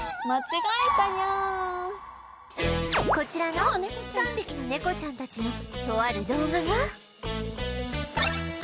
こちらの３匹の猫ちゃんたちのとある動画が